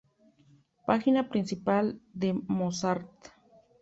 Página principal de Mozart